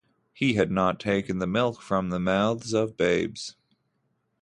He had not taken the milk from the mouths of babes.